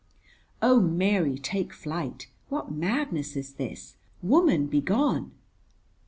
Oh, Mary, take flight. What madness is this? Woman, be gone.